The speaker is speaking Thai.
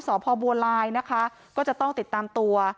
สพบัวลายนะคะก็จะต้องติดตามตัว